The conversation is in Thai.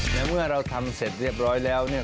เมื่อเราทำเสร็จเรียบร้อยแล้ว